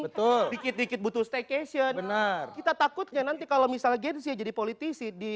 betul dikit dikit butuh staycation benar kita takutnya nanti kalau misalnya gen z jadi politisi di